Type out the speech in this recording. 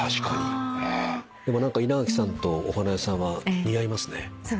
でも何か稲垣さんとお花屋さんは似合いますね。